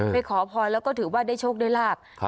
ไม่ขอพอแล้วก็ถือว่าได้โชคด้วยราบ